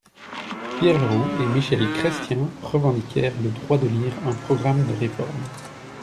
Pierre Leroux et Michel Chrestien revendiquèrent le droit de lire un programme de réformes.